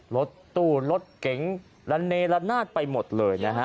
รถตูนรถเก๋งรันเนรนาทไปหมดเลยนะฮะ